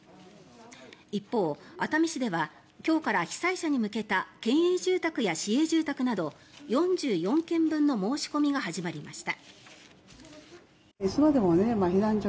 一方、熱海市では今日から被災者に向けた県営住宅や市営住宅など４４軒分の申し込みが始まりました。